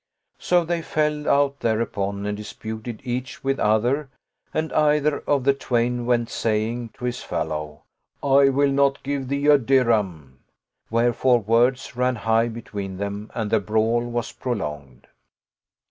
So they fell out therc l8$ The Duel of the Two Sharpers upon and disputed each with other and either of the twain went saying to his fellow, " I will not give thee a dirham!" Wherefore words ran high between them and the brawl was prolonged.